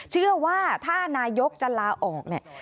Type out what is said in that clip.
เชื่อว่าถ้านายกจะลาออกเนี่ย